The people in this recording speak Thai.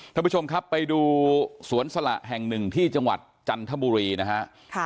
ท่านผู้ชมครับไปดูสวนสละแห่งหนึ่งที่จังหวัดจันทบุรีนะฮะ